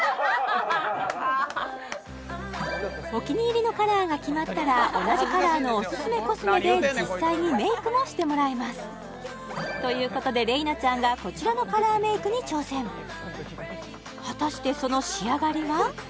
お気に入りのカラーが決まったら同じカラーのオススメコスメで実際にメイクもしてもらえますということで麗菜ちゃんがこちらのカラーメイクに挑戦果たしてその仕上がりは？